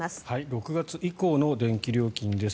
６月以降の電気料金です。